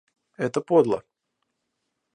Это подло.